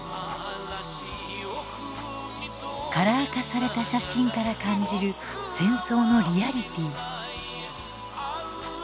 カラー化された写真から感じる戦争のリアリティー。